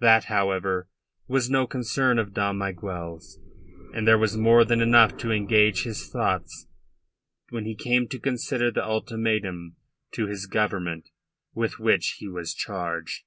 That, however, was no concern of Dom Miguel's, and there was more than enough to engage his thoughts when he came to consider the ultimatum to his Government with which he was charged.